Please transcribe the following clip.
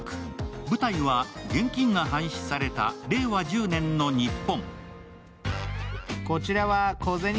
舞台は現金が廃止された零和１０年の日本。